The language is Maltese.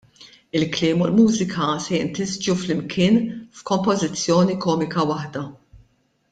il-kliem u l-mużika se jintisġu flimkien f'kompożizzjoni komika waħda.